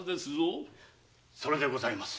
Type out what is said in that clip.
それでございます。